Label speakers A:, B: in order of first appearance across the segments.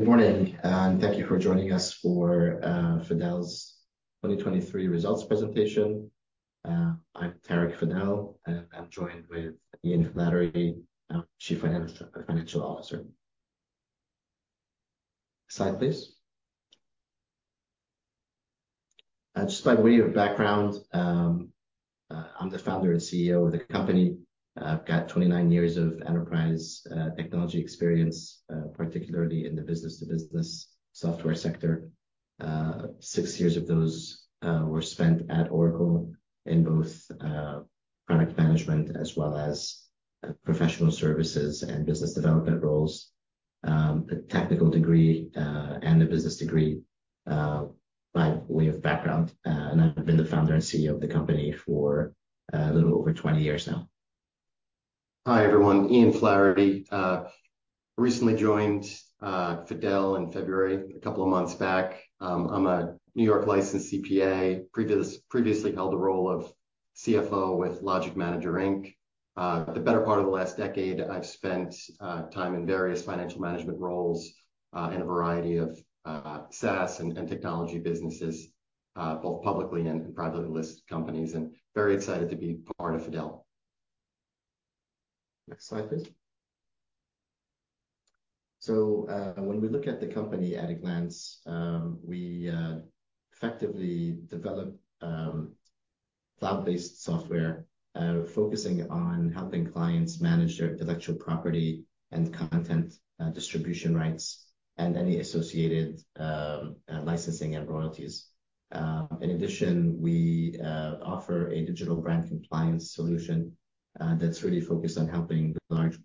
A: Good morning, and thank you for joining us for FADEL's 2023 results presentation. I'm Tarek Fadel, and I'm joined with Ian Flaherty, Chief Financial Officer. Slide, please. Just by way of background, I'm the founder and CEO of the company. I've got 29 years of enterprise technology experience, particularly in the business-to-business software sector. Six years of those were spent at Oracle in both product management as well as professional services and business development roles, a technical degree and a business degree by way of background. I've been the founder and CEO of the company for a little over 20 years now. Hi everyone. Ian Flaherty. Recently joined FADEL in February, a couple of months back. I'm a New York-licensed CPA, previously held the role of CFO with LogicManager, Inc. The better part of the last decade, I've spent time in various financial management roles in a variety of SaaS and technology businesses, both publicly and privately listed companies, and very excited to be part of FADEL. Next slide, please. So when we look at the company at a glance, we effectively develop cloud-based software focusing on helping clients manage their intellectual property and content distribution rights and any associated licensing and royalties. In addition, we offer a digital brand compliance solution that's really focused on helping the large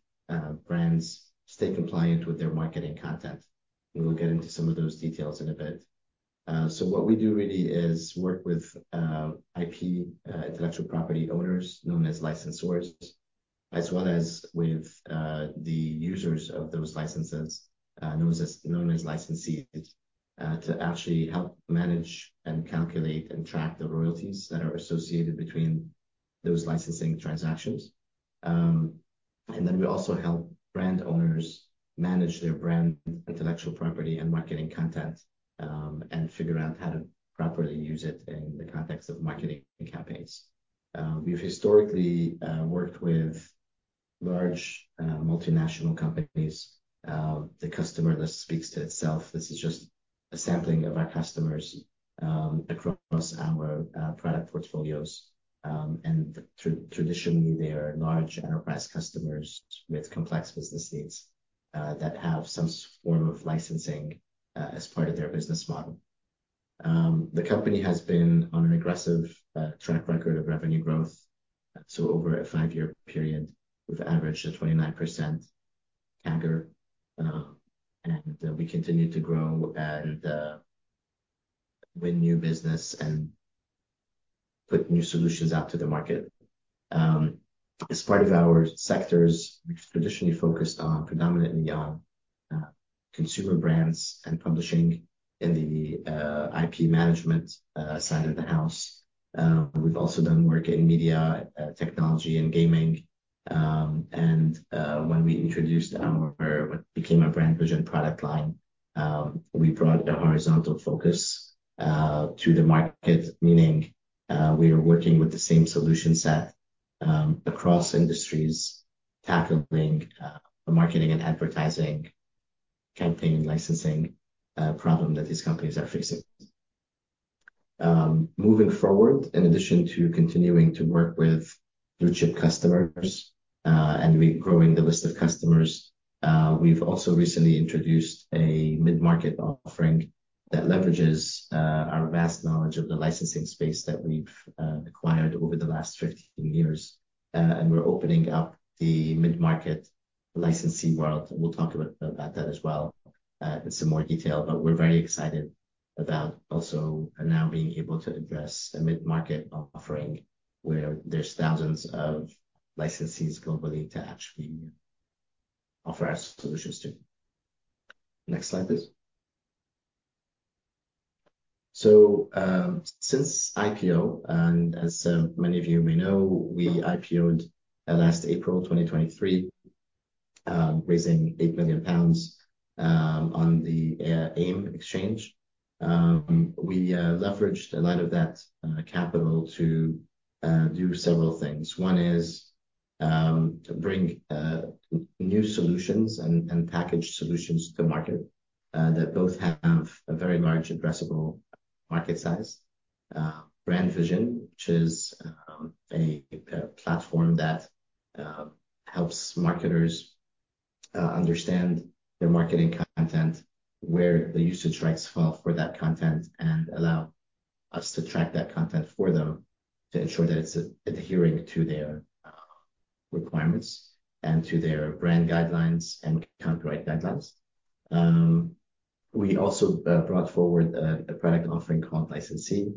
A: brands stay compliant with their marketing content. We will get into some of those details in a bit. So what we do really is work with IP intellectual property owners known as licensors, as well as with the users of those licenses, known as licensees, to actually help manage and calculate and track the royalties that are associated between those licensing transactions. And then we also help brand owners manage their brand intellectual property and marketing content and figure out how to properly use it in the context of marketing campaigns. We've historically worked with large multinational companies. The customer list speaks to itself. This is just a sampling of our customers across our product portfolios. Traditionally, they are large enterprise customers with complex business needs that have some form of licensing as part of their business model. The company has been on an aggressive track record of revenue growth. Over a five-year period, we've averaged a 29% CAGR. We continue to grow and win new business and put new solutions out to the market. As part of our sectors, we've traditionally focused predominantly on consumer brands and publishing in the IP management side of the house. We've also done work in media, technology, and gaming. When we introduced what became our Brand Vision product line, we brought a horizontal focus to the market, meaning we were working with the same solution set across industries tackling the marketing and advertising campaign licensing problem that these companies are facing. Moving forward, in addition to continuing to work with blue-chip customers and growing the list of customers, we've also recently introduced a mid-market offering that leverages our vast knowledge of the licensing space that we've acquired over the last 15 years. And we're opening up the mid-market licensee world. We'll talk about that as well in some more detail. But we're very excited about also now being able to address a mid-market offering where there's thousands of licensees globally to actually offer our solutions to. Next slide, please. So since IPO, and as many of you may know, we IPOed last April 2023, raising 8 million pounds on the AIM exchange. We leveraged a lot of that capital to do several things. One is to bring new solutions and packaged solutions to market that both have a very large addressable market size. Brand Vision, which is a platform that helps marketers understand their marketing content, where the usage rights fall for that content, and allow us to track that content for them to ensure that it's adhering to their requirements and to their brand guidelines and copyright guidelines. We also brought forward a product offering called LicenSee,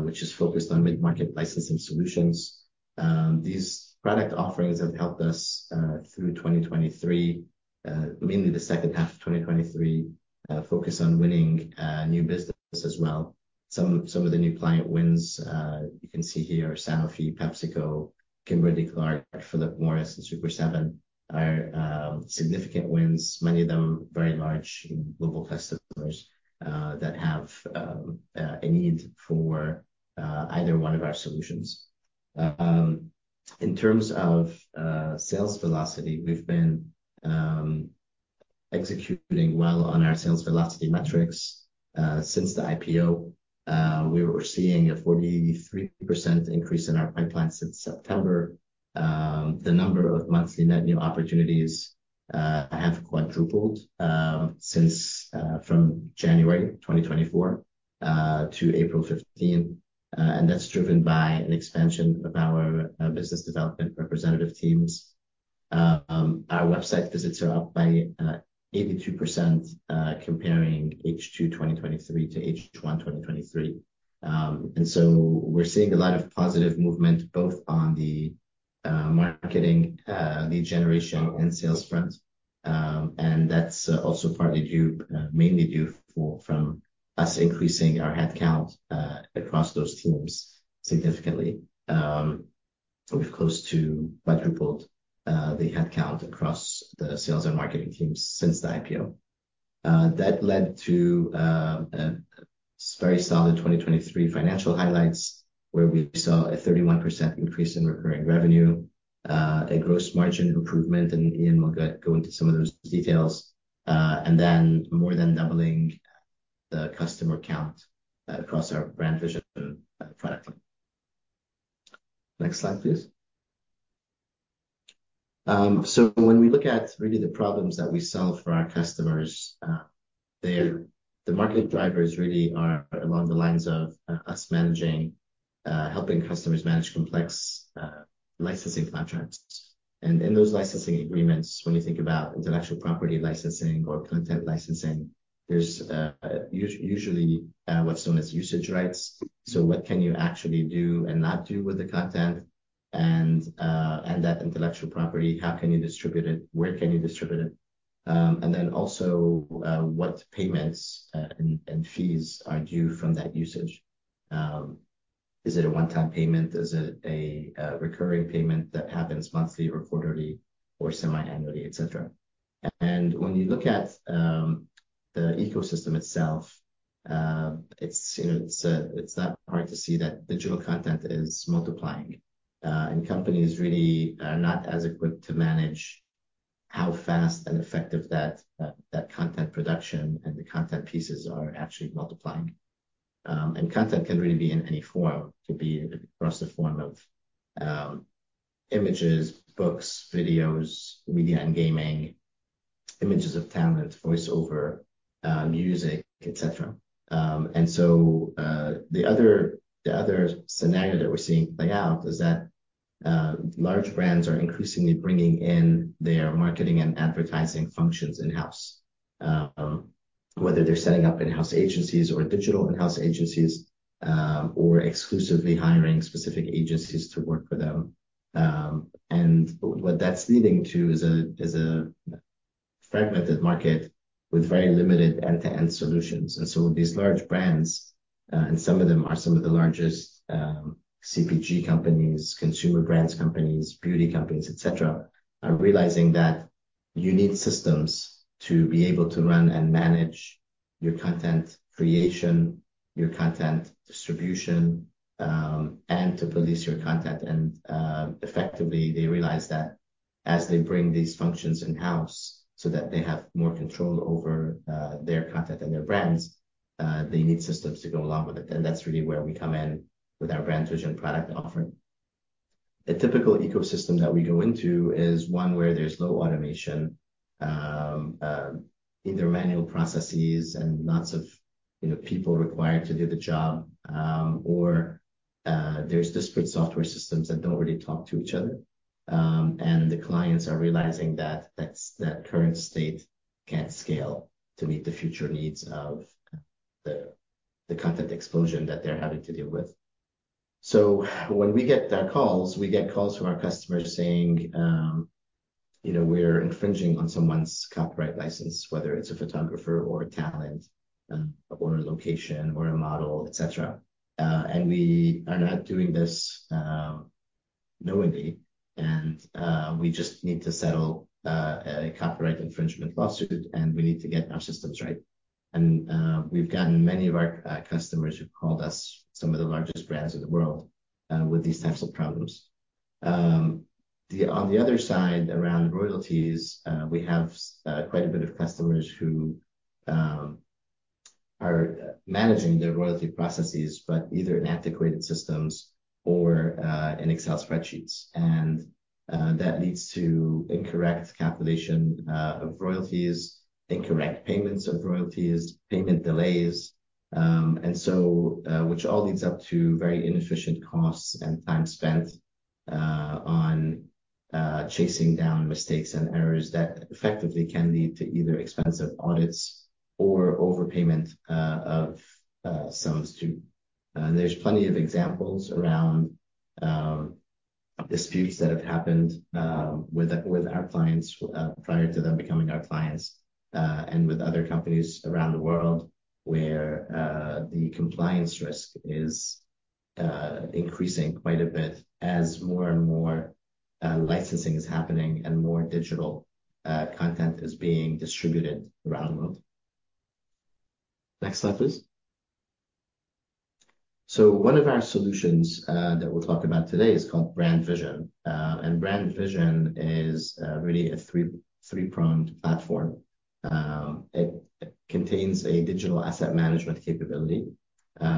A: which is focused on mid-market licensing solutions. These product offerings have helped us through 2023, mainly the second half of 2023, focus on winning new business as well. Some of the new client wins you can see here: Sanofi, PepsiCo, Kimberly-Clark, Philip Morris, and Super7 are significant wins, many of them very large global customers that have a need for either one of our solutions. In terms of sales velocity, we've been executing well on our sales velocity metrics since the IPO. We were seeing a 43% increase in our pipeline since September. The number of monthly net new opportunities have quadrupled from January 2024 to April 15. That's driven by an expansion of our business development representative teams. Our website visits are up by 82% comparing H2 2023 to H1 2023. So we're seeing a lot of positive movement both on the marketing lead generation and sales front. That's also partly mainly due from us increasing our headcount across those teams significantly. We've close to quadrupled the headcount across the sales and marketing teams since the IPO. That led to very solid 2023 financial highlights where we saw a 31% increase in recurring revenue, a gross margin improvement, and Ian will go into some of those details, and then more than doubling the customer count across our Brand Vision product line. Next slide, please. So when we look at really the problems that we solve for our customers, the market drivers really are along the lines of us helping customers manage complex licensing contracts. And in those licensing agreements, when you think about intellectual property licensing or content licensing, there's usually what's known as usage rights. So what can you actually do and not do with the content and that intellectual property? How can you distribute it? Where can you distribute it? And then also, what payments and fees are due from that usage? Is it a one-time payment? Is it a recurring payment that happens monthly or quarterly or semi-annually, etc.? And when you look at the ecosystem itself, it's not hard to see that digital content is multiplying. And companies really are not as equipped to manage how fast and effective that content production and the content pieces are actually multiplying. And content can really be in any form. It could be across the form of images, books, videos, media and gaming, images of talent, voiceover, music, etc. And so the other scenario that we're seeing play out is that large brands are increasingly bringing in their marketing and advertising functions in-house, whether they're setting up in-house agencies or digital in-house agencies or exclusively hiring specific agencies to work for them. What that's leading to is a fragmented market with very limited end-to-end solutions. So these large brands, and some of them are some of the largest CPG companies, consumer brands companies, beauty companies, etc., are realizing that you need systems to be able to run and manage your content creation, your content distribution, and to police your content. Effectively, they realize that as they bring these functions in-house so that they have more control over their content and their brands, they need systems to go along with it. That's really where we come in with our Brand Vision product offering. A typical ecosystem that we go into is one where there's low automation, either manual processes and lots of people required to do the job, or there's disparate software systems that don't really talk to each other. The clients are realizing that that current state can't scale to meet the future needs of the content explosion that they're having to deal with. So when we get calls, we get calls from our customers saying we're infringing on someone's copyright license, whether it's a photographer or talent or a location or a model, etc. And we are not doing this knowingly. And we just need to settle a copyright infringement lawsuit, and we need to get our systems right. And we've gotten many of our customers who've called us, some of the largest brands in the world, with these types of problems. On the other side, around royalties, we have quite a bit of customers who are managing their royalty processes, but either in antiquated systems or in Excel spreadsheets. That leads to incorrect calculation of royalties, incorrect payments of royalties, payment delays, which all leads up to very inefficient costs and time spent on chasing down mistakes and errors that effectively can lead to either expensive audits or overpayment of sums too. There's plenty of examples around disputes that have happened with our clients prior to them becoming our clients and with other companies around the world where the compliance risk is increasing quite a bit as more and more licensing is happening and more digital content is being distributed around the world. Next slide, please. One of our solutions that we'll talk about today is called Brand Vision. Brand Vision is really a three-pronged platform. It contains a digital asset management capability,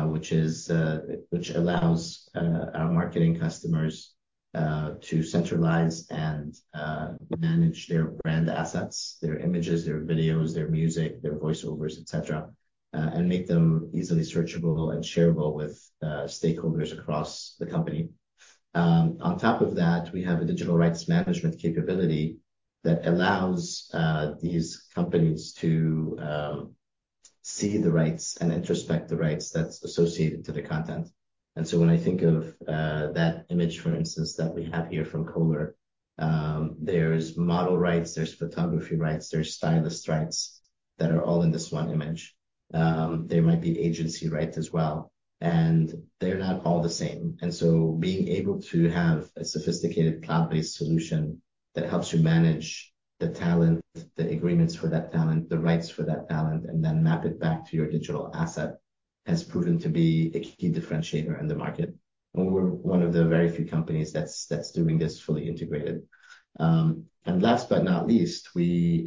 A: which allows our marketing customers to centralize and manage their brand assets, their images, their videos, their music, their voiceovers, etc., and make them easily searchable and shareable with stakeholders across the company. On top of that, we have a digital rights management capability that allows these companies to see the rights and introspect the rights that's associated to the content. So when I think of that image, for instance, that we have here from Kohler, there's model rights, there's photography rights, there's stylist rights that are all in this one image. There might be agency rights as well. And they're not all the same. And so being able to have a sophisticated cloud-based solution that helps you manage the talent, the agreements for that talent, the rights for that talent, and then map it back to your digital asset has proven to be a key differentiator in the market. And we're one of the very few companies that's doing this fully integrated. And last but not least, we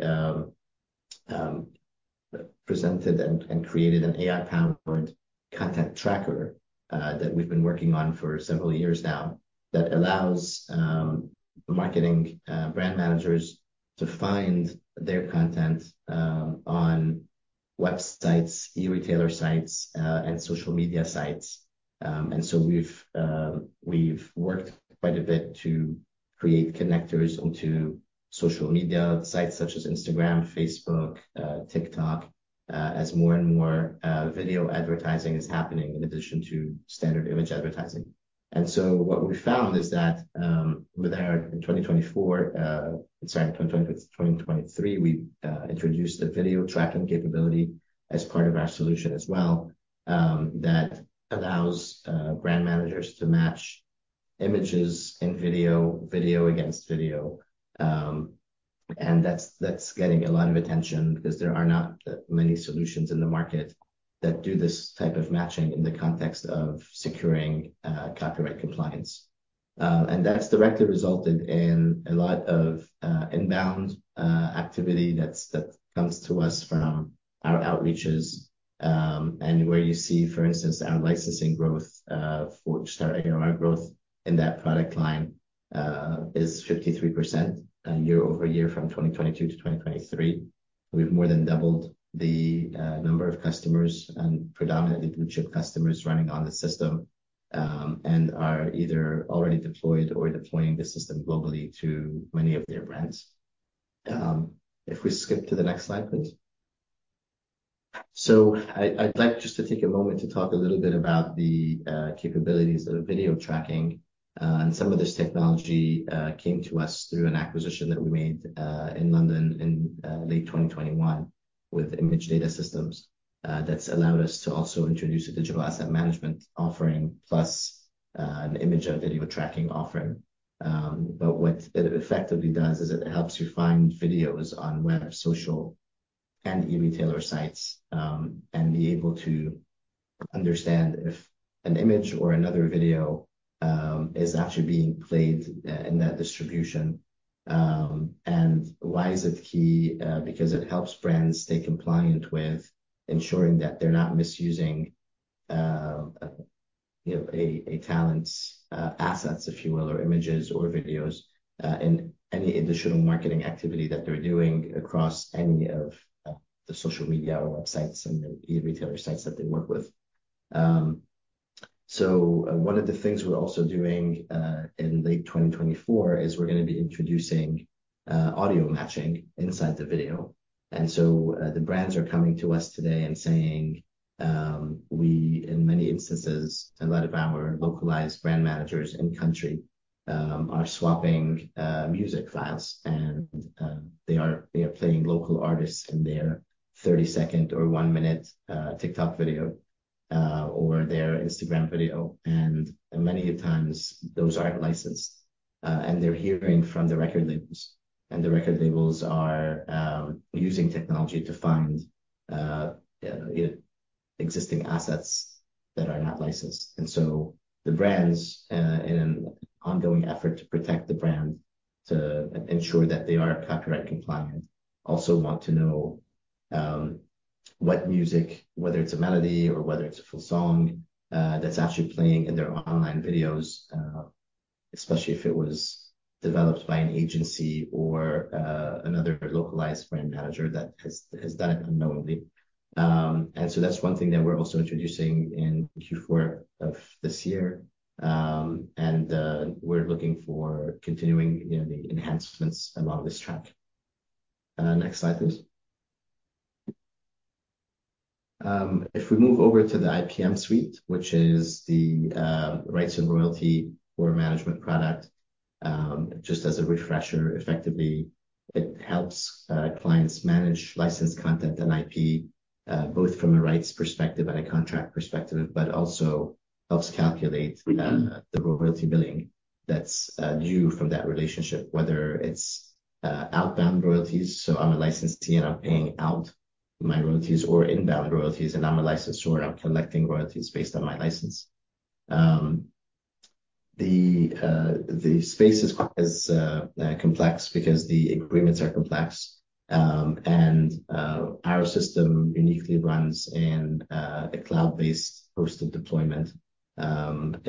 A: presented and created an AI-powered content tracker that we've been working on for several years now that allows brand managers to find their content on websites, e-retailer sites, and social media sites. And so we've worked quite a bit to create connectors onto social media sites such as Instagram, Facebook, TikTok, as more and more video advertising is happening in addition to standard image advertising. And so what we found is that in 2024—sorry, in 2023—we introduced a video tracking capability as part of our solution as well that allows brand managers to match images and video against video. And that's getting a lot of attention because there are not many solutions in the market that do this type of matching in the context of securing copyright compliance. And that's directly resulted in a lot of inbound activity that comes to us from our outreaches. And where you see, for instance, our licensing growth for SaaS ARR, our growth in that product line is 53% year-over-year from 2022 to 2023. We've more than doubled the number of customers and predominantly blue-chip customers running on the system and are either already deployed or deploying the system globally to many of their brands. If we skip to the next slide, please. So I'd like just to take a moment to talk a little bit about the capabilities of video tracking. And some of this technology came to us through an acquisition that we made in London in late 2021 with Image Data Systems that's allowed us to also introduce a digital asset management offering plus an image and video tracking offering. But what it effectively does is it helps you find videos on web, social, and e-retailer sites and be able to understand if an image or another video is actually being played in that distribution. And why is it key? Because it helps brands stay compliant with ensuring that they're not misusing a talent's assets, if you will, or images or videos in any additional marketing activity that they're doing across any of the social media or websites and e-retailer sites that they work with. So one of the things we're also doing in late 2024 is we're going to be introducing audio matching inside the video. And so the brands are coming to us today and saying, "We, in many instances, a lot of our localized brand managers in country are swapping music files, and they are playing local artists in their 30-second or 1-minute TikTok video or their Instagram video." And many times, those aren't licensed. And they're hearing from the record labels. And the record labels are using technology to find existing assets that are not licensed. The brands, in an ongoing effort to protect the brand, to ensure that they are copyright compliant, also want to know what music, whether it's a melody or whether it's a full song that's actually playing in their online videos, especially if it was developed by an agency or another localized brand manager that has done it unknowingly. That's one thing that we're also introducing in Q4 of this year. We're looking for continuing the enhancements along this track. Next slide, please. If we move over to the IPM Suite, which is the rights and royalty management product, just as a refresher, effectively, it helps clients manage licensed content and IP both from a rights perspective and a contract perspective, but also helps calculate the royalty billing that's due from that relationship, whether it's outbound royalties. So I'm a licensee, and I'm paying out my royalties or inbound royalties, and I'm a licensor, and I'm collecting royalties based on my license. The space is complex because the agreements are complex. Our system uniquely runs in a cloud-based hosted deployment,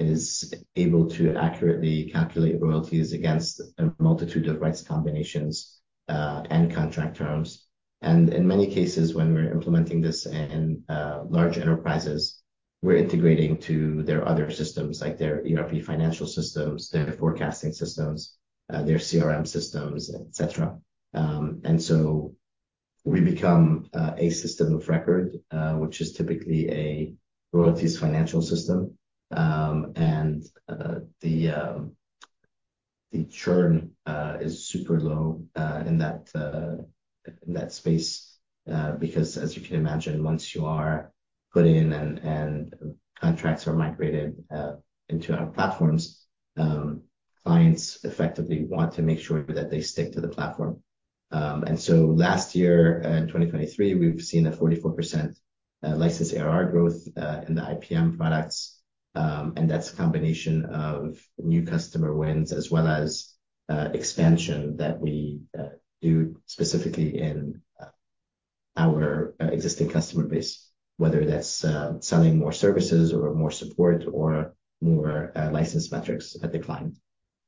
A: is able to accurately calculate royalties against a multitude of rights combinations and contract terms. In many cases, when we're implementing this in large enterprises, we're integrating to their other systems like their ERP financial systems, their forecasting systems, their CRM systems, etc. So we become a system of record, which is typically a royalties financial system. The churn is super low in that space because, as you can imagine, once you are put in and contracts are migrated into our platforms, clients effectively want to make sure that they stick to the platform. Last year, in 2023, we've seen a 44% license ARR growth in the IPM products. That's a combination of new customer wins as well as expansion that we do specifically in our existing customer base, whether that's selling more services or more support or more license metrics at the client.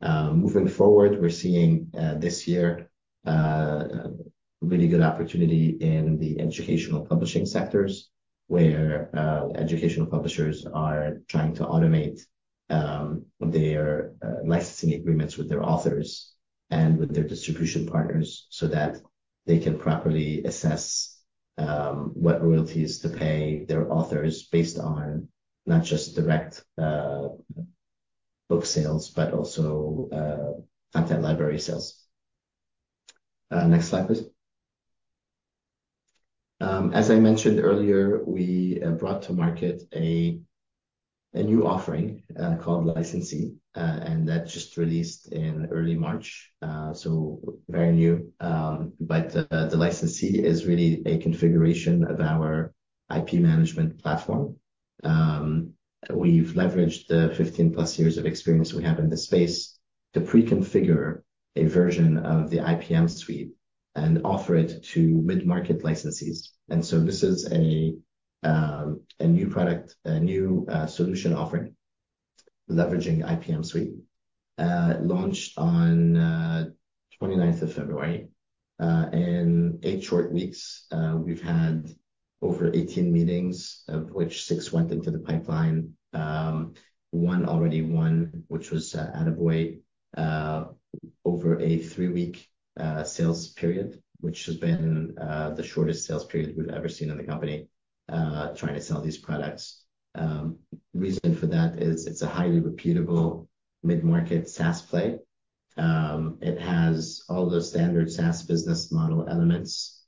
A: Moving forward, we're seeing this year really good opportunity in the educational publishing sectors where educational publishers are trying to automate their licensing agreements with their authors and with their distribution partners so that they can properly assess what royalties to pay their authors based on not just direct book sales, but also content library sales. Next slide, please. As I mentioned earlier, we brought to market a new offering called LicenSee, and that just released in early March. So very new. But the LicenSee is really a configuration of our IP management platform. We've leveraged the 15+ years of experience we have in this space to pre-configure a version of the IPM Suite and offer it to mid-market licensees. So this is a new product, a new solution offering leveraging IPM Suite, launched on 29th of February. In 8 short weeks, we've had over 18 meetings, of which 6 went into the pipeline. 1 already won, which was Ata-Boy, over a 3-week sales period, which has been the shortest sales period we've ever seen in the company trying to sell these products. Reason for that is it's a highly reputable mid-market SaaS play. It has all the standard SaaS business model elements,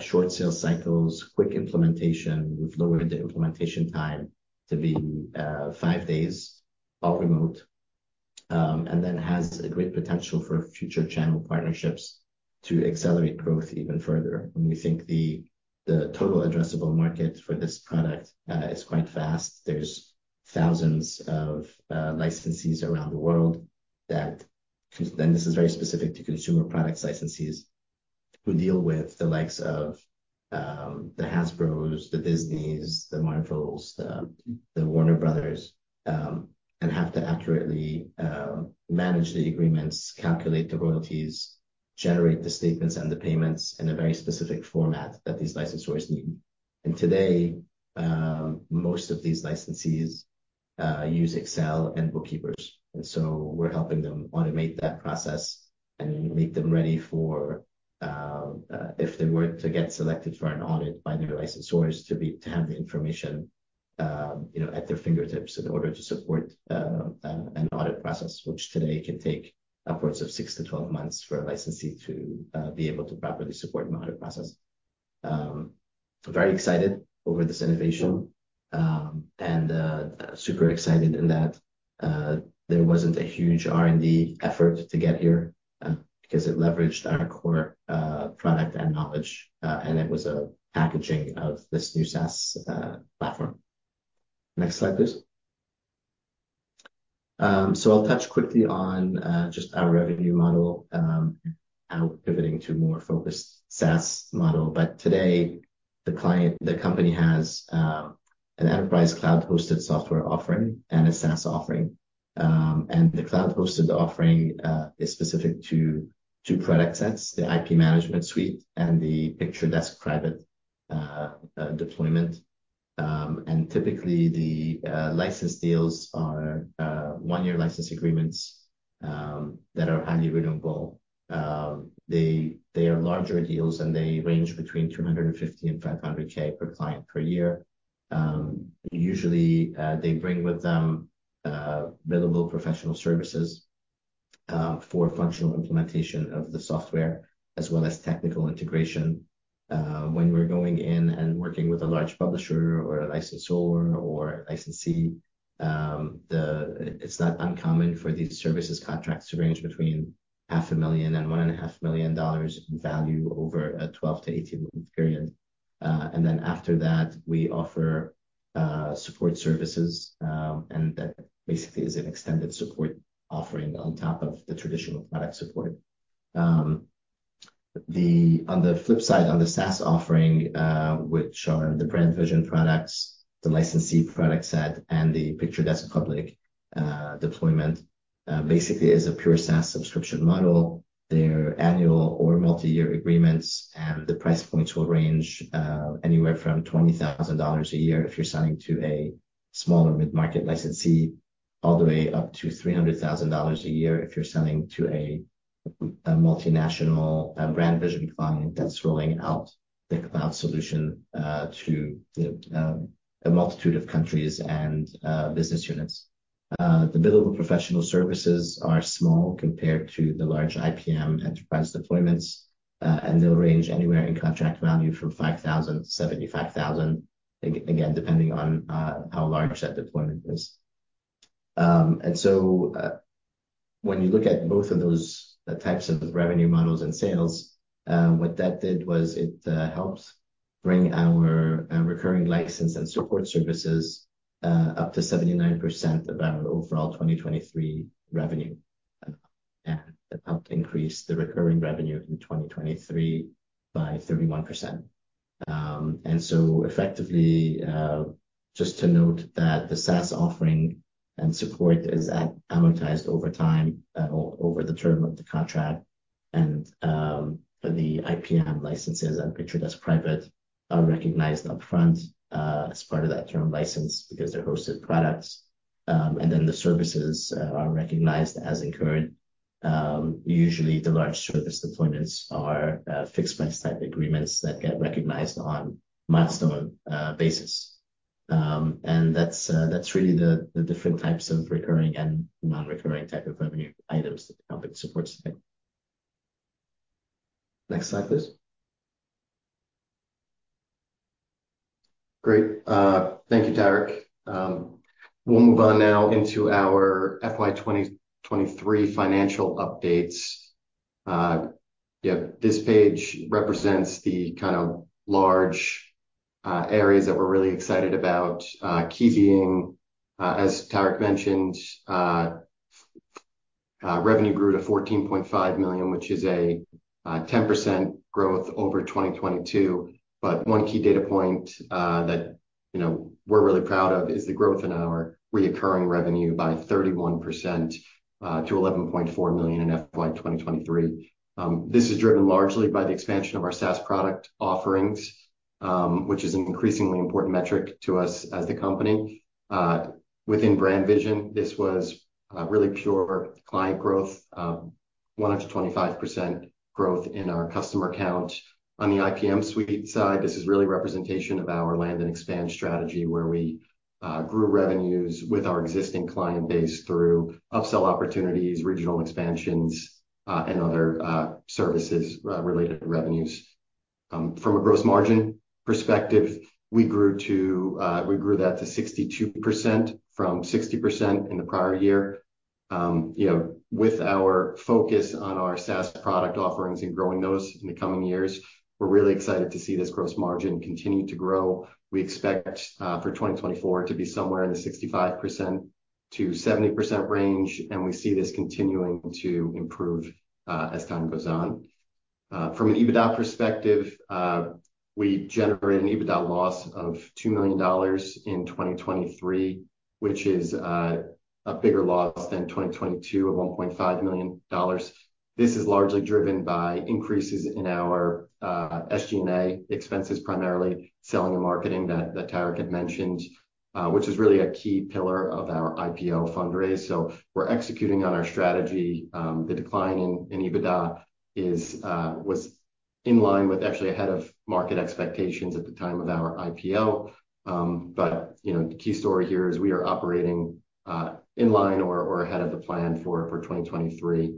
A: short sales cycles, quick implementation, with lower the implementation time to be 5 days, all remote, and then has a great potential for future channel partnerships to accelerate growth even further. We think the total addressable market for this product is quite fast. There's thousands of licensees around the world that and this is very specific to consumer products licensees who deal with the likes of the Hasbros, the Disneys, the Marvels, the Warner Brothers, and have to accurately manage the agreements, calculate the royalties, generate the statements and the payments in a very specific format that these licensors need. Today, most of these licensees use Excel and bookkeepers. So we're helping them automate that process and make them ready for if they were to get selected for an audit by their licensors to have the information at their fingertips in order to support an audit process, which today can take upwards of 6 to 12 months for a licensee to be able to properly support an audit process. Very excited over this innovation and super excited in that there wasn't a huge R&D effort to get here because it leveraged our core product and knowledge, and it was a packaging of this new SaaS platform. Next slide, please. I'll touch quickly on just our revenue model and how we're pivoting to a more focused SaaS model. Today, the company has an enterprise cloud-hosted software offering and a SaaS offering. The cloud-hosted offering is specific to two product sets, the IP Management Suite and the PictureDesk private deployment. Typically, the license deals are one-year license agreements that are highly renewable. They are larger deals, and they range between $250,000 and $500,000 per client per year. Usually, they bring with them billable professional services for functional implementation of the software as well as technical integration. When we're going in and working with a large publisher or a licensor or a licensee, it's not uncommon for these services contracts to range between $500,000 and $1.5 million in value over a 12 to 18-month period. And then after that, we offer support services. And that basically is an extended support offering on top of the traditional product support. On the flip side, on the SaaS offering, which are the Brand Vision products, the licensee product set, and the PictureDesk public deployment, basically is a pure SaaS subscription model. Their annual or multi-year agreements and the price points will range anywhere from $20,000 a year if you're selling to a smaller mid-market licensee, all the way up to $300,000 a year if you're selling to a multinational Brand Vision client that's rolling out the cloud solution to a multitude of countries and business units. The billable professional services are small compared to the large IPM enterprise deployments, and they'll range anywhere in contract value from $5,000 to $75,000, again, depending on how large that deployment is. And so when you look at both of those types of revenue models and sales, what that did was it helped bring our recurring license and support services up to 79% of our overall 2023 revenue. And it helped increase the recurring revenue in 2023 by 31%. And so effectively, just to note that the SaaS offering and support is amortized over time over the term of the contract. And the IPM licenses and PictureDesk private are recognized upfront as part of that term license because they're hosted products. And then the services are recognized as incurred. Usually, the large service deployments are fixed-price type agreements that get recognized on milestone basis. And that's really the different types of recurring and non-recurring type of revenue items that the company supports today. Next slide, please.
B: Great. Thank you, Tarek. We'll move on now into our FY 2023 financial updates. This page represents the kind of large areas that we're really excited about. Key being, as Tarek mentioned, revenue grew to $14.5 million, which is a 10% growth over 2022. One key data point that we're really proud of is the growth in our recurring revenue by 31% to $11.4 million in FY 2023. This is driven largely by the expansion of our SaaS product offerings, which is an increasingly important metric to us as the company. Within Brand Vision, this was really pure client growth, 1 up to 25% growth in our customer count. On the IPM Suite side, this is really representation of our land and expand strategy where we grew revenues with our existing client base through upsell opportunities, regional expansions, and other services-related revenues. From a gross margin perspective, we grew that to 62% from 60% in the prior year. With our focus on our SaaS product offerings and growing those in the coming years, we're really excited to see this gross margin continue to grow. We expect for 2024 to be somewhere in the 65% to 70% range, and we see this continuing to improve as time goes on. From an EBITDA perspective, we generated an EBITDA loss of $2 million in 2023, which is a bigger loss than 2022 of $1.5 million. This is largely driven by increases in our SG&A expenses, primarily selling and marketing that Tarek had mentioned, which is really a key pillar of our IPO fundraise. So we're executing on our strategy. The decline in EBITDA was in line with actually ahead of market expectations at the time of our IPO. But the key story here is we are operating in line or ahead of the plan for 2023.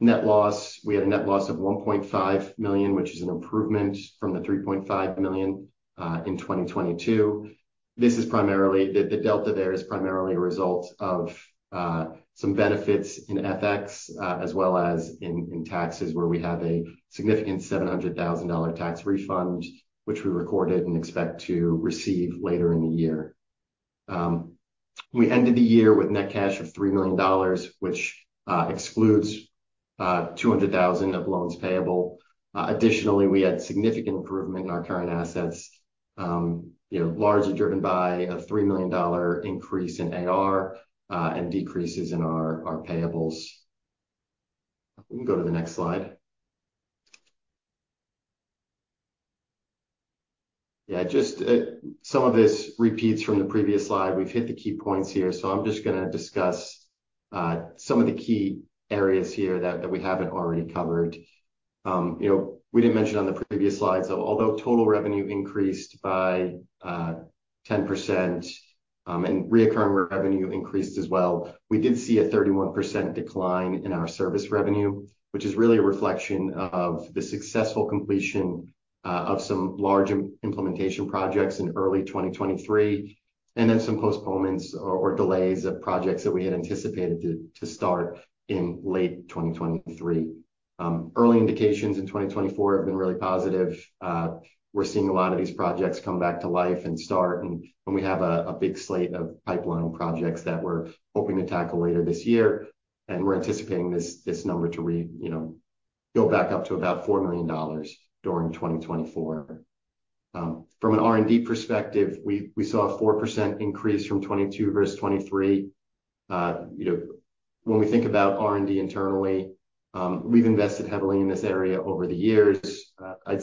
B: Net loss, we had a net loss of $1.5 million, which is an improvement from the $3.5 million in 2022. The delta there is primarily a result of some benefits in FX as well as in taxes where we have a significant $700,000 tax refund, which we recorded and expect to receive later in the year. We ended the year with net cash of $3 million, which excludes 200,000 of loans payable. Additionally, we had significant improvement in our current assets, largely driven by a $3 million increase in AR and decreases in our payables. We can go to the next slide. Yeah, just some of this repeats from the previous slide. We've hit the key points here. So I'm just going to discuss some of the key areas here that we haven't already covered. We didn't mention on the previous slides, although total revenue increased by 10% and recurring revenue increased as well, we did see a 31% decline in our service revenue, which is really a reflection of the successful completion of some large implementation projects in early 2023 and then some postponements or delays of projects that we had anticipated to start in late 2023. Early indications in 2024 have been really positive. We're seeing a lot of these projects come back to life and start. We have a big slate of pipeline projects that we're hoping to tackle later this year. We're anticipating this number to go back up to about $4 million during 2024. From an R&D perspective, we saw a 4% increase from 2022 versus 2023. When we think about R&D internally, we've invested heavily in this area over the years. I'd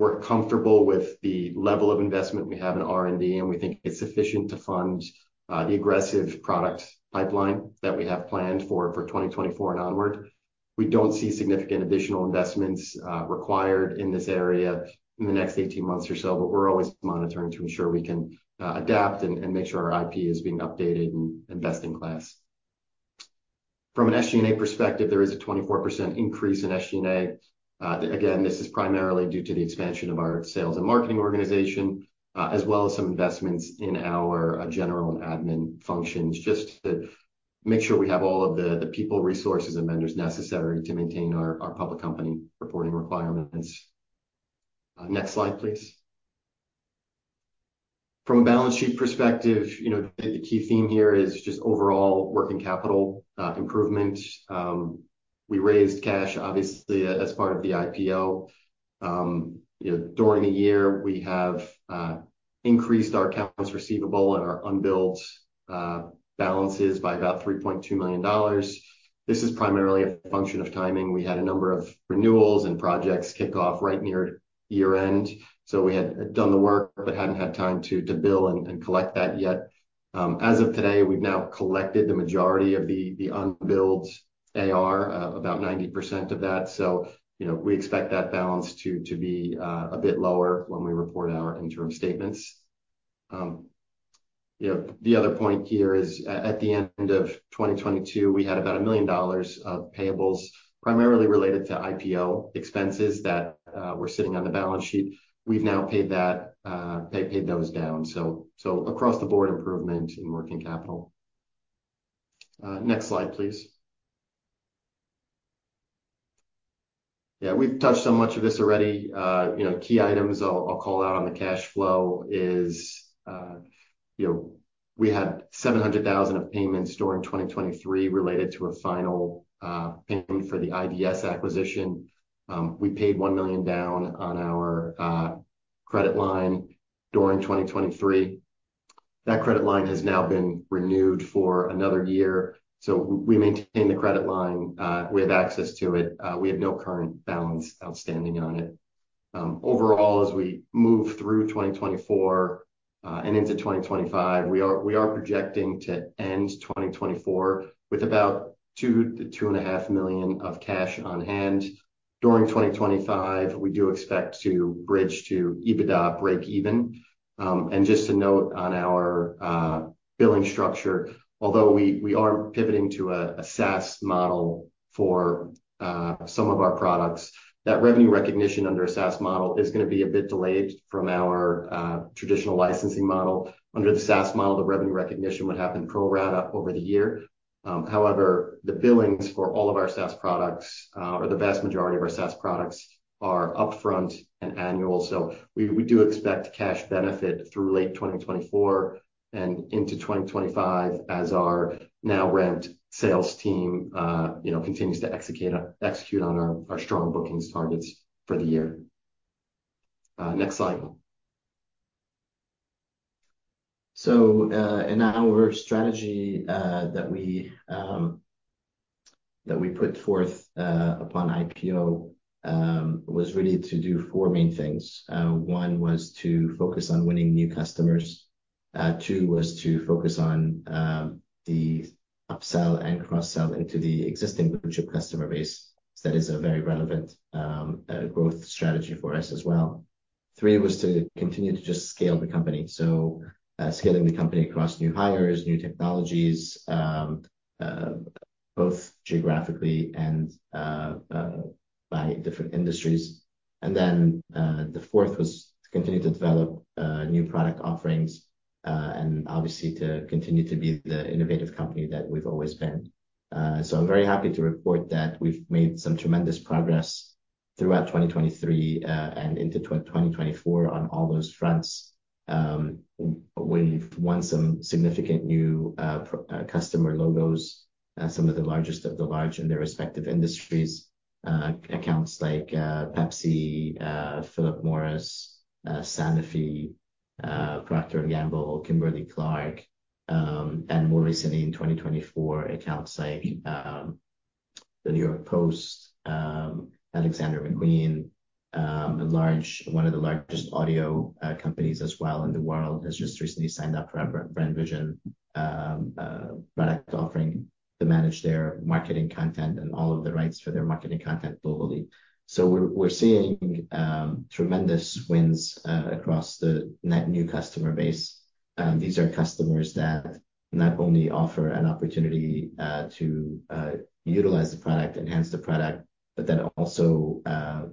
B: say we're comfortable with the level of investment we have in R&D, and we think it's sufficient to fund the aggressive product pipeline that we have planned for 2024 and onward. We don't see significant additional investments required in this area in the next 18 months or so, but we're always monitoring to ensure we can adapt and make sure our IP is being updated and best in class. From an SG&A perspective, there is a 24% increase in SG&A. Again, this is primarily due to the expansion of our sales and marketing organization as well as some investments in our general and admin functions just to make sure we have all of the people, resources, and vendors necessary to maintain our public company reporting requirements. Next slide, please. From a balance sheet perspective, the key theme here is just overall working capital improvement. We raised cash, obviously, as part of the IPO. During the year, we have increased our accounts receivable and our unbilled balances by about $3.2 million. This is primarily a function of timing. We had a number of renewals and projects kick off right near year-end. So we had done the work but hadn't had time to bill and collect that yet. As of today, we've now collected the majority of the unbilled AR, about 90% of that. So we expect that balance to be a bit lower when we report our interim statements. The other point here is at the end of 2022, we had about $1 million of payables, primarily related to IPO expenses that were sitting on the balance sheet. We've now paid those down. So across-the-board improvement in working capital. Next slide, please. Yeah, we've touched on much of this already. Key items I'll call out on the cash flow is we had $700,000 of payments during 2023 related to a final payment for the IDS acquisition. We paid $1 million down on our credit line during 2023. That credit line has now been renewed for another year. So we maintain the credit line. We have access to it. We have no current balance outstanding on it. Overall, as we move through 2024 and into 2025, we are projecting to end 2024 with about $2 million to $2.5 million of cash on hand. During 2025, we do expect to bridge to EBITDA break-even. And just to note on our billing structure, although we are pivoting to a SaaS model for some of our products, that revenue recognition under a SaaS model is going to be a bit delayed from our traditional licensing model. Under the SaaS model, the revenue recognition would happen pro rata over the year. However, the billings for all of our SaaS products or the vast majority of our SaaS products are upfront and annual. So we do expect cash benefit through late 2024 and into 2025 as our newly-recruited sales team continues to execute on our strong bookings targets for the year. Next slide. So in our strategy that we put forth upon IPO was really to do four main things. One was to focus on winning new customers. Two was to focus on the upsell and cross-sell into the existing blue-chip customer base. That is a very relevant growth strategy for us as well. Three was to continue to just scale the company. So scaling the company across new hires, new technologies, both geographically and by different industries. And then the fourth was to continue to develop new product offerings and obviously to continue to be the innovative company that we've always been. So I'm very happy to report that we've made some tremendous progress throughout 2023 and into 2024 on all those fronts. We've won some significant new customer logos, some of the largest of the large in their respective industries, accounts like Pepsi, Philip Morris, Sanofi, Procter & Gamble, Kimberly-Clark, and more recently in 2024, accounts like The New York Post, Alexander McQueen, one of the largest audio companies as well in the world, has just recently signed up for our Brand Vision product offering to manage their marketing content and all of the rights for their marketing content globally. So we're seeing tremendous wins across the net new customer base. These are customers that not only offer an opportunity to utilize the product, enhance the product, but then also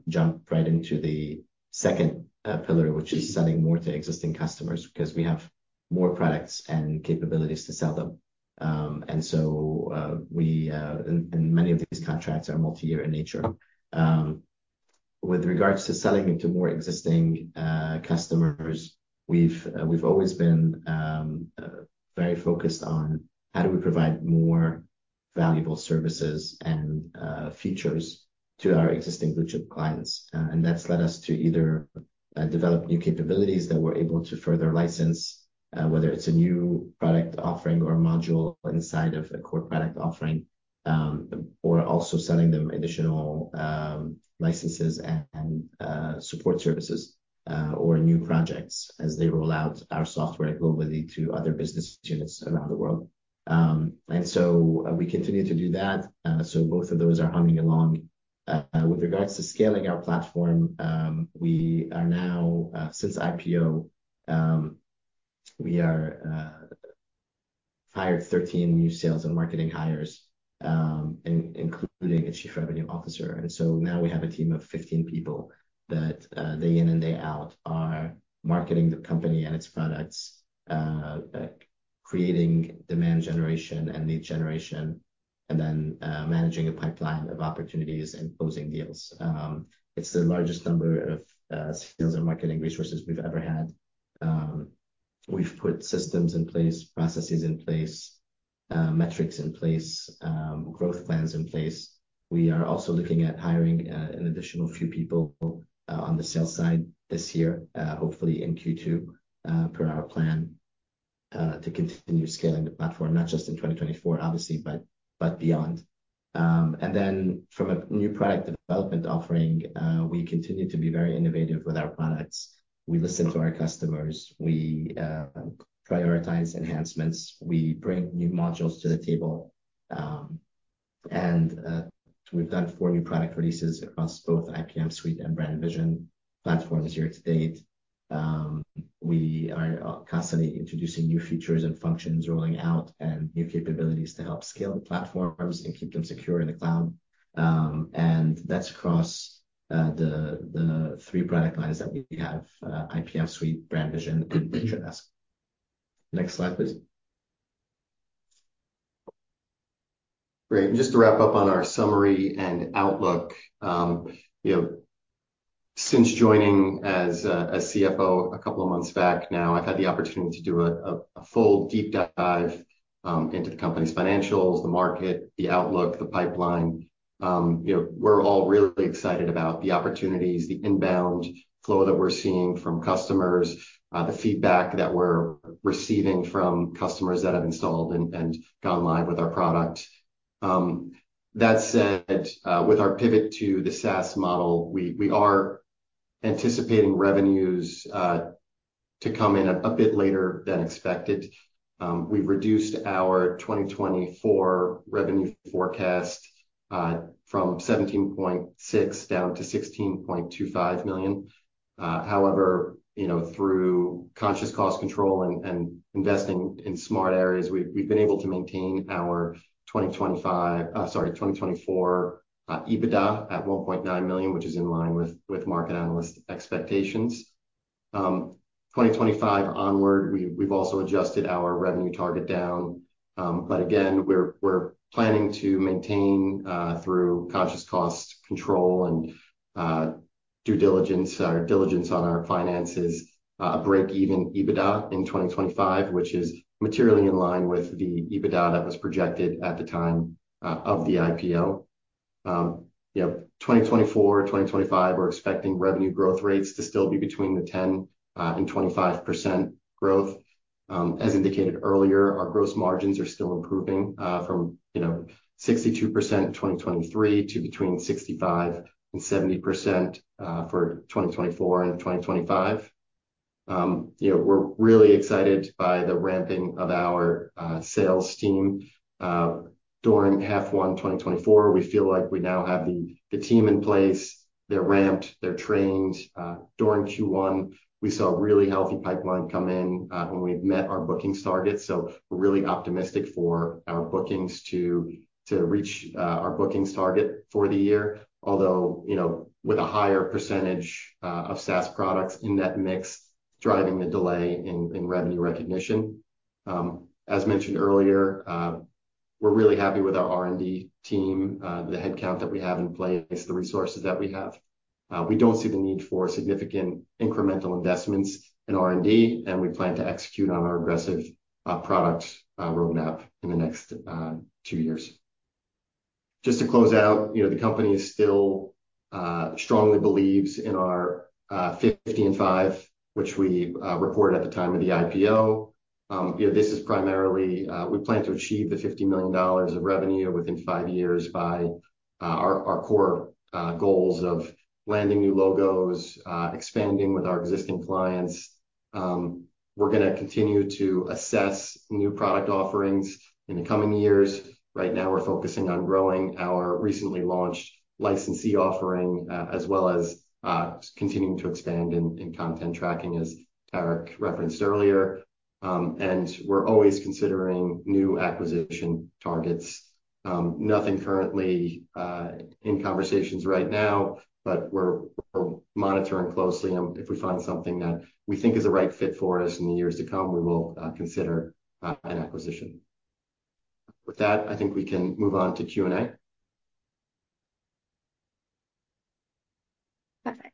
B: jump right into the second pillar, which is selling more to existing customers because we have more products and capabilities to sell them. And so many of these contracts are multi-year in nature. With regards to selling into more existing customers, we've always been very focused on how do we provide more valuable services and features to our existing blue-chip clients. That's led us to either develop new capabilities that we're able to further license, whether it's a new product offering or a module inside of a core product offering, or also selling them additional licenses and support services or new projects as they roll out our software globally to other business units around the world. So we continue to do that. Both of those are humming along. With regards to scaling our platform, we are now, since IPO, we have hired 13 new sales and marketing hires, including a Chief Revenue Officer. So now we have a team of 15 people that, day in and day out, are marketing the company and its products, creating demand generation and need generation, and then managing a pipeline of opportunities and closing deals. It's the largest number of sales and marketing resources we've ever had. We've put systems in place, processes in place, metrics in place, growth plans in place. We are also looking at hiring an additional few people on the sales side this year, hopefully in Q2 per our plan, to continue scaling the platform, not just in 2024, obviously, but beyond. Then from a new product development offering, we continue to be very innovative with our products. We listen to our customers. We prioritize enhancements. We bring new modules to the table. We've done 4 new product releases across both IPM Suite and Brand Vision platforms year to date. We are constantly introducing new features and functions, rolling out new capabilities to help scale the platforms and keep them secure in the cloud. That's across the three product lines that we have: IPM Suite, Brand Vision, and LicenSee. Next slide, please. Great. And just to wrap up on our summary and outlook, since joining as a CFO a couple of months back now, I've had the opportunity to do a full deep dive into the company's financials, the market, the outlook, the pipeline. We're all really excited about the opportunities, the inbound flow that we're seeing from customers, the feedback that we're receiving from customers that have installed and gone live with our product. That said, with our pivot to the SaaS model, we are anticipating revenues to come in a bit later than expected. We've reduced our 2024 revenue forecast from $17.6 million down to $16.25 million. However, through conscious cost control and investing in smart areas, we've been able to maintain our 2024 EBITDA at $1.9 million, which is in line with market analyst expectations. 2025 onward, we've also adjusted our revenue target down. But again, we're planning to maintain, through conscious cost control and due diligence on our finances, a break-even EBITDA in 2025, which is materially in line with the EBITDA that was projected at the time of the IPO. In 2024 and 2025, we're expecting revenue growth rates to still be between 10% and 25% growth. As indicated earlier, our gross margins are still improving from 62% in 2023 to between 65% and 70% for 2024 and 2025. We're really excited by the ramping of our sales team. During H1 2024, we feel like we now have the team in place. They're ramped. They're trained. During Q1, we saw a really healthy pipeline come in when we've met our bookings target. So we're really optimistic for our bookings to reach our bookings target for the year, although with a higher percentage of SaaS products in that mix driving the delay in revenue recognition. As mentioned earlier, we're really happy with our R&D team, the headcount that we have in place, the resources that we have. We don't see the need for significant incremental investments in R&D, and we plan to execute on our aggressive product roadmap in the next two years. Just to close out, the company still strongly believes in our 50 in 5, which we reported at the time of the IPO. This is primarily we plan to achieve the $50 million of revenue within five years by our core goals of landing new logos, expanding with our existing clients. We're going to continue to assess new product offerings in the coming years. Right now, we're focusing on growing our recently launched licensee offering as well as continuing to expand in content tracking, as Tarek referenced earlier. We're always considering new acquisition targets. Nothing currently in conversations right now, but we're monitoring closely. If we find something that we think is a right fit for us in the years to come, we will consider an acquisition. With that, I think we can move on to Q&A.
C: Perfect.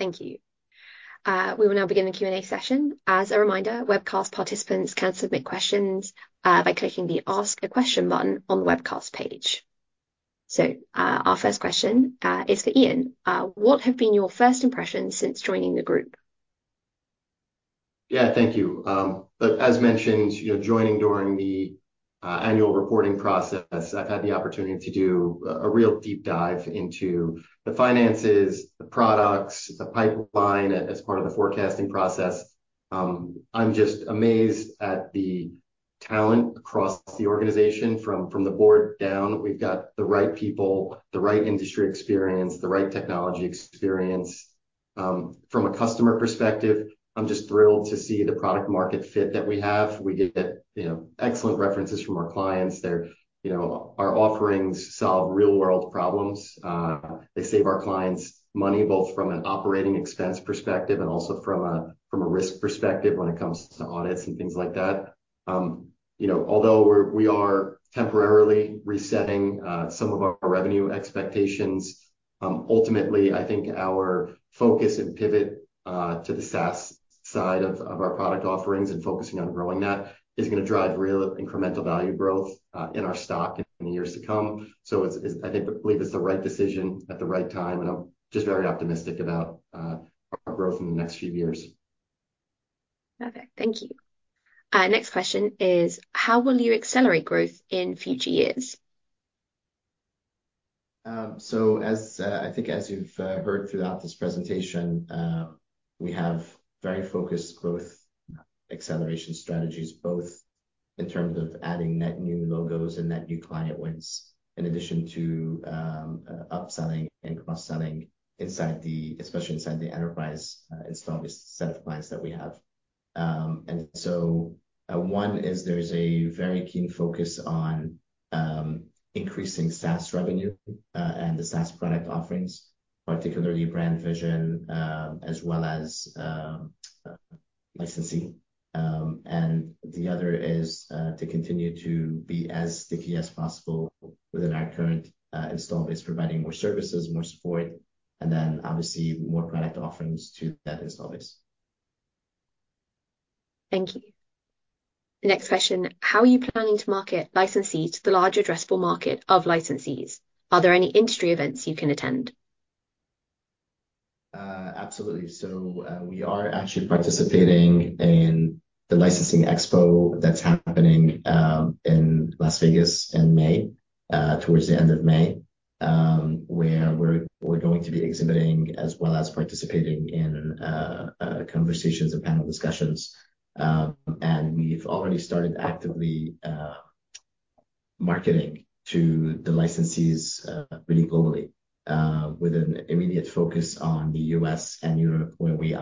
C: Thank you. We will now begin the Q&A session. As a reminder, webcast participants can submit questions by clicking the Ask a Question button on the webcast page. So our first question is for Ian. What have been your first impressions since joining the group?
B: Yeah, thank you. As mentioned, joining during the annual reporting process, I've had the opportunity to do a real deep dive into the finances, the products, the pipeline as part of the forecasting process. I'm just amazed at the talent across the organization. From the board down, we've got the right people, the right industry experience, the right technology experience. From a customer perspective, I'm just thrilled to see the product-market fit that we have. We get excellent references from our clients. Our offerings solve real-world problems. They save our clients money both from an operating expense perspective and also from a risk perspective when it comes to audits and things like that. Although we are temporarily resetting some of our revenue expectations, ultimately, I think our focus and pivot to the SaaS side of our product offerings and focusing on growing that is going to drive real incremental value growth in our stock in the years to come. I believe it's the right decision at the right time. I'm just very optimistic about our growth in the next few years.
C: Perfect. Thank you. Next question is, how will you accelerate growth in future years?
A: So I think as you've heard throughout this presentation, we have very focused growth acceleration strategies, both in terms of adding net new logos and net new client wins in addition to upselling and cross-selling, especially inside the enterprise-installed set of clients that we have. And so one is there's a very keen focus on increasing SaaS revenue and the SaaS product offerings, particularly Brand Vision, as well as LicenSee. And the other is to continue to be as sticky as possible within our current install base, providing more services, more support, and then obviously more product offerings to that install base.
C: Thank you. Next question, how are you planning to market LicenSee to the large addressable market of LicenSee? Are there any industry events you can attend?
A: Absolutely. We are actually participating in the Licensing Expo that's happening in Las Vegas in May, towards the end of May, where we're going to be exhibiting as well as participating in conversations and panel discussions. We've already started actively marketing to the licensees really globally with an immediate focus on the U.S. and Europe where we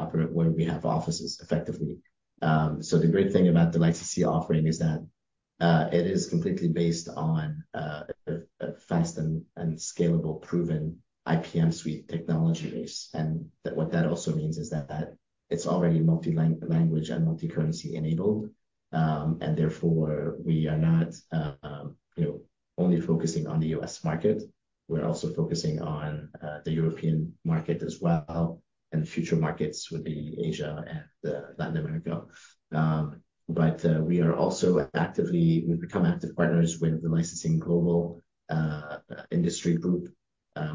A: have offices effectively. The great thing about the licensee offering is that it is completely based on a fast and scalable, proven IPM Suite technology base. What that also means is that it's already multi-language and multicurrency enabled. Therefore, we are not only focusing on the U.S. market. We're also focusing on the European market as well. Future markets would be Asia and Latin America. But we've become active partners with the Licensing Global Industry Group,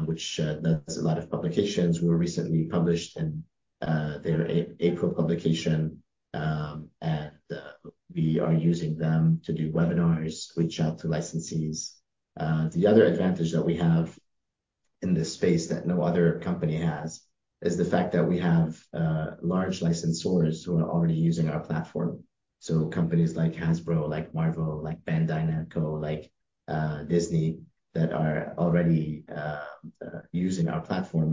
A: which does a lot of publications. We recently published in their April publication. We are using them to do webinars, reach out to LicenSee. The other advantage that we have in this space that no other company has is the fact that we have large licensors who are already using our platform. Companies like Hasbro, like Marvel, like Bandai Namco, like Disney are already using our platform.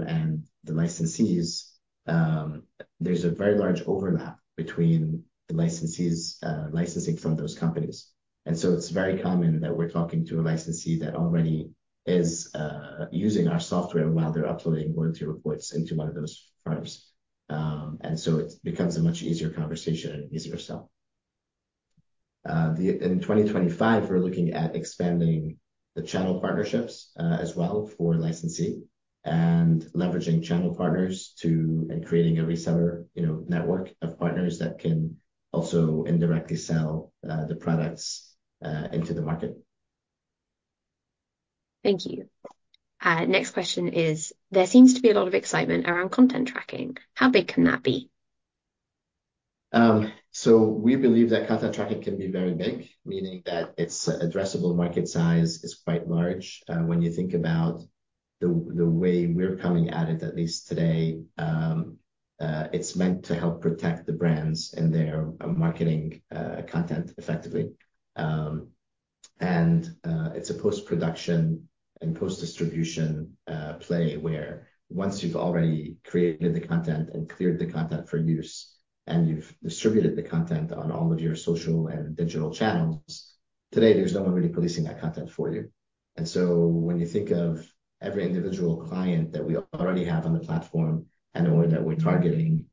A: The licensees, there's a very large overlap between the licensees licensing from those companies. It's very common that we're talking to a licensee that already is using our software while they're uploading warranty reports into one of those firms. It becomes a much easier conversation and easier sell. In 2025, we're looking at expanding the channel partnerships as well for licensee and leveraging channel partners and creating a reseller network of partners that can also indirectly sell the products into the market.
C: Thank you. Next question is, there seems to be a lot of excitement around content tracking. How big can that be?
A: So we believe that content tracking can be very big, meaning that its addressable market size is quite large. When you think about the way we're coming at it, at least today, it's meant to help protect the brands and their marketing content effectively. And it's a post-production and post-distribution play where once you've already created the content and cleared the content for use and you've distributed the content on all of your social and digital channels, today, there's no one really policing that content for you. And so when you think of every individual client that we already have on the platform and/or that we're targeting,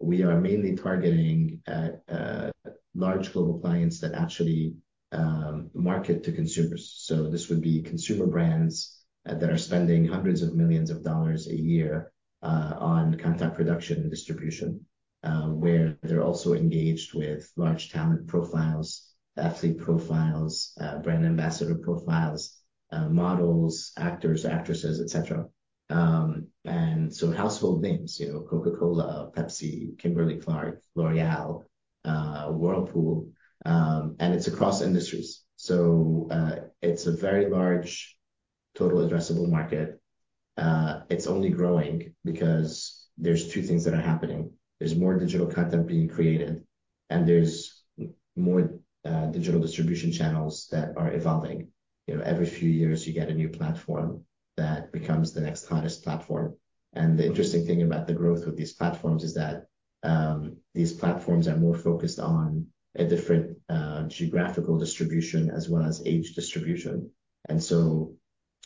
A: we are mainly targeting large global clients that actually market to consumers. So this would be consumer brands that are spending $hundreds of millions a year on content production and distribution, where they're also engaged with large talent profiles, athlete profiles, brand ambassador profiles, models, actors, actresses, etc. And so household names: Coca-Cola, Pepsi, Kimberly-Clark, L'Oréal, Whirlpool. And it's across industries. So it's a very large total addressable market. It's only growing because there's two things that are happening. There's more digital content being created, and there's more digital distribution channels that are evolving. Every few years, you get a new platform that becomes the next hottest platform. And the interesting thing about the growth with these platforms is that these platforms are more focused on a different geographical distribution as well as age distribution. And so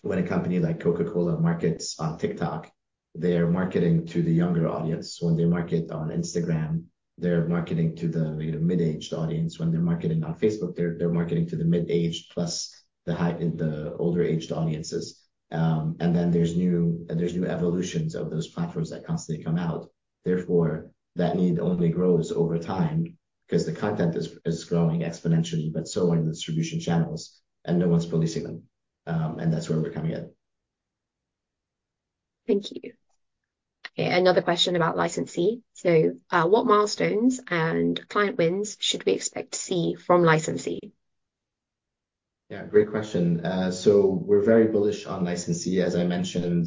A: when a company like Coca-Cola markets on TikTok, they're marketing to the younger audience. When they market on Instagram, they're marketing to the mid-aged audience. When they're marketing on Facebook, they're marketing to the mid-aged plus the older-aged audiences. And then there's new evolutions of those platforms that constantly come out. Therefore, that need only grows over time because the content is growing exponentially, but so are the distribution channels. And no one's policing them. And that's where we're coming at.
C: Thank you. Okay, another question about LicenSee. So what milestones and client wins should we expect to see from LicenSee?
A: Yeah, great question. So we're very bullish on licensee. As I mentioned,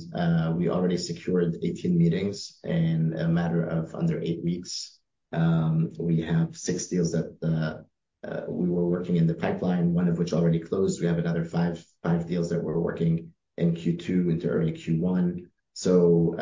A: we already secured 18 meetings in a matter of under 8 weeks. We have 6 deals that we were working in the pipeline, one of which already closed. We have another 5 deals that we're working in Q2 into early Q1. So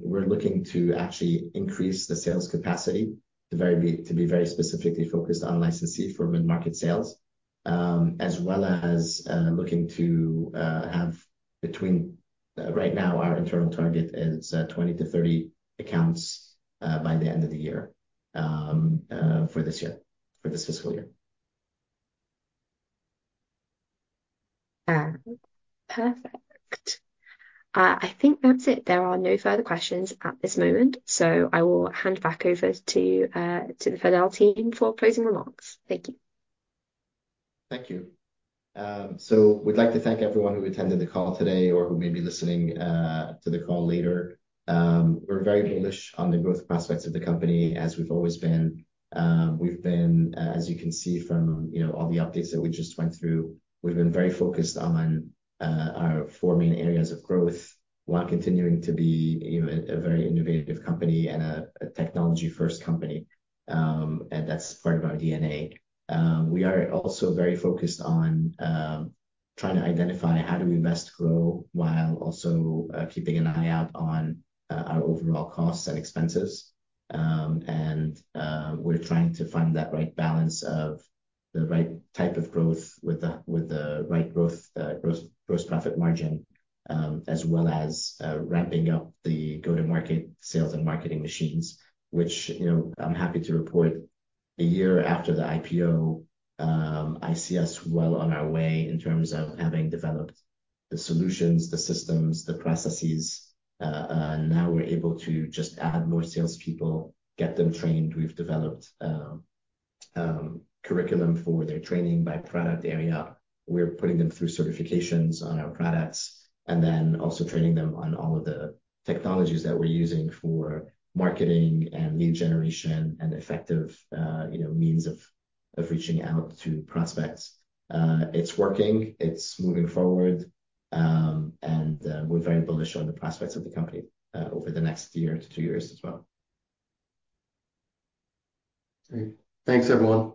A: we're looking to actually increase the sales capacity to be very specifically focused on licensee for mid-market sales, as well as looking to have between right now, our internal target is 20 to 30 accounts by the end of the year for this year, for this fiscal year.
C: Perfect. I think that's it. There are no further questions at this moment. I will hand back over to the FADEL team for closing remarks. Thank you.
A: Thank you. So we'd like to thank everyone who attended the call today or who may be listening to the call later. We're very bullish on the growth prospects of the company as we've always been. We've been, as you can see from all the updates that we just went through, we've been very focused on our four main areas of growth while continuing to be a very innovative company and a technology-first company. And that's part of our DNA. We are also very focused on trying to identify how do we best grow while also keeping an eye out on our overall costs and expenses. We're trying to find that right balance of the right type of growth with the right growth profit margin, as well as ramping up the go-to-market sales and marketing machines, which I'm happy to report, a year after the IPO, I see us well on our way in terms of having developed the solutions, the systems, the processes. Now we're able to just add more salespeople, get them trained. We've developed curriculum for their training by product area. We're putting them through certifications on our products and then also training them on all of the technologies that we're using for marketing and lead generation and effective means of reaching out to prospects. It's working. It's moving forward. We're very bullish on the prospects of the company over the next year to two years as well.
B: Great. Thanks, everyone.